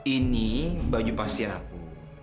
ini baju pasien aku